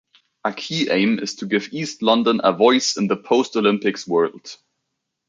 A key aim is to give East London a voice in the post-Olympics world.